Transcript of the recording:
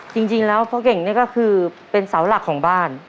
จริงแล้วพ่อเก่งนี่ก็คือเป็นเสาหลักของบ้าน